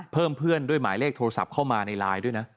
เพื่อนด้วยหมายเลขโทรศัพท์เข้ามาในไลน์ด้วยนะ